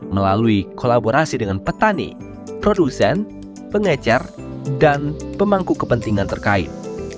melalui kolaborasi dengan petani produsen pengecer dan pemangku kepentingan terkait